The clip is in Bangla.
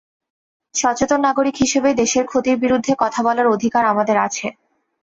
সচেতন নাগরিক হিসেবেই দেশের ক্ষতির বিরুদ্ধে কথা বলার অধিকার আমাদের আছে।